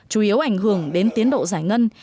chủ yếu ảnh hưởng đến tiến độ giải ngân